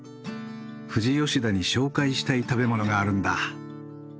富士吉田に紹介したい食べ物があるんだ。